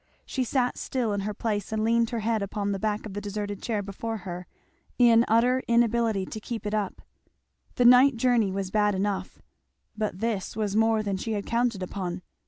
She sat still in her place and leaned her head upon the back of the deserted chair before her, in utter inability to keep it up. The night journey was bad enough, but this was more than she had counted upon.